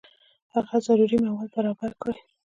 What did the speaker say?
هغه ضروري مواد برابر کړي.